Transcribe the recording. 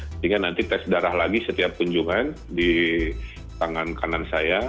sehingga nanti tes darah lagi setiap kunjungan di tangan kanan saya